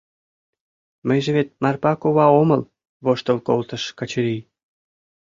— Мыйже вет Марпа кува омыл, — воштыл колтыш Качырий.